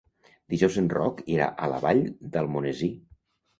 Dijous en Roc irà a la Vall d'Almonesir.